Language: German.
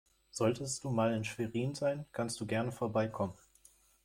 Solltest du mal in Schwerin sein, kannst du gerne vorbeikommen.